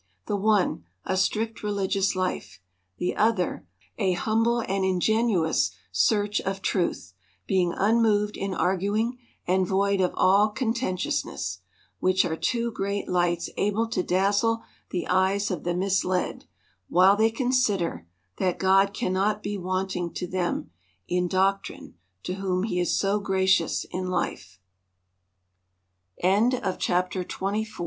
The one, a strict religious life ; the other, a humble and ingenuous search of truth, being unmoved in arguing, and void of aJl contentiousness : which are two great lights able to dazzle the eyes of the misled, while they consider, that God cannot be wanting to them in doctrine, to wh